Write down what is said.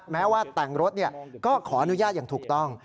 แม้ว่าแต่งรถก็ขออนุญาตอย่างถูกต้อง